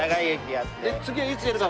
で次はいつやるか。